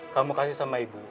kamu kasih sama ibu